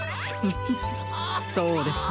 フフフッそうですね。